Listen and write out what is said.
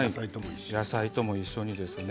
野菜とも一緒にですね。